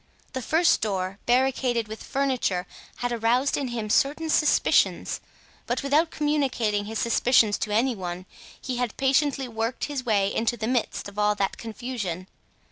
The first door, barricaded with furniture, had aroused in him certain suspicions, but without communicating his suspicions to any one he had patiently worked his way into the midst of all that confusion.